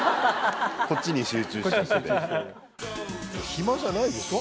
「暇じゃないでしょ？」